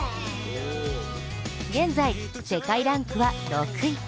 現在、世界ランクは６位。